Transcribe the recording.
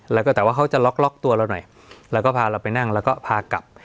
แล้วก็แต่ว่าเขาจะล็อกล็อกตัวเราหน่อยแล้วก็พาเราไปนั่งแล้วก็พากลับ